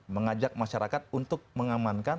mengajak masyarakat untuk mengamankan